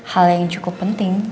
hal yang cukup penting